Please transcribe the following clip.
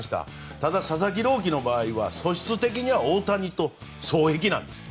ただ佐々木朗希の場合は素質的には大谷と双璧なんです。